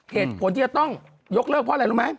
เหตุผลที่จะต้องยกเลิกเพราะอะไรรู้ไหม